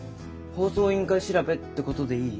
放送委員会調べってことでいい？